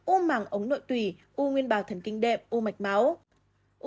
u màng ống nội tùy u nguyên bào thần kinh đệm u mạch máu